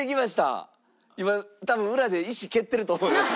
今多分裏で石蹴ってると思います。